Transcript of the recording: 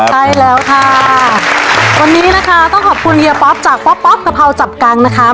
ใช่แล้วค่ะวันนี้นะคะต้องขอบคุณเฮียป๊อปจากป๊อปป๊อปกะเพราจับกังนะคะ